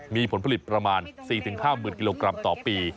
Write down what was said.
มีผลผลิตประมาณ๔๕๐๐๐กิโลกรัมต่อปี